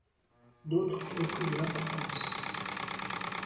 D'autres ont pris de l'importance.